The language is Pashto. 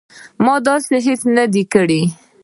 ما داسې هیڅ نه دي کړي